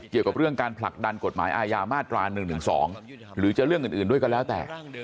เกี่ยวกับเรื่องการผลักดันกฎหมายอาญามาตรา๑๑๒หรือจะเรื่องอื่นด้วยก็แล้วแต่